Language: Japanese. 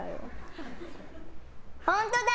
本当だ！